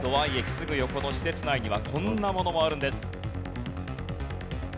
すぐ横の施設内にはこんなものもあるんです。